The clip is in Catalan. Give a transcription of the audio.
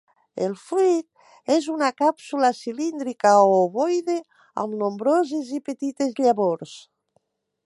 El fruit és una càpsula cilíndrica o ovoide amb nombroses i petites llavors.